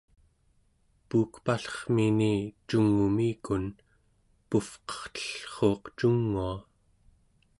puukpallermini cung'umikun puvqertellruuq cungua